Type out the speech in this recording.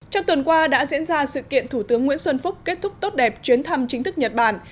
trong tuần qua đã diễn ra sự kiện thủ tướng nguyễn xuân phúc kết thúc tốt đẹp chuyến thăm chính thức nhật bản